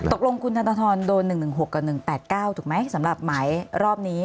ตกลงคุณธนทรโดน๑๑๖กับ๑๘๙ถูกไหมสำหรับหมายรอบนี้